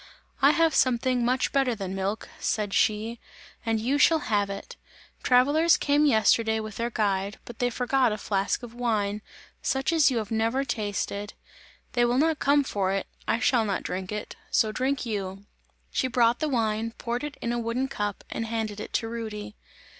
"I have something better than milk," said she, "and you shall have it! Travellers came yesterday with their guide, but they forgot a flask of wine, such as you have never tasted; they will not come for it, I shall not drink it, so drink you!" She brought the wine, poured it in a wooden cup and handed it to Rudy.